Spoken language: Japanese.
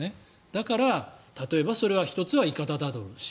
だから、例えばそれは１つはいかだだろうし。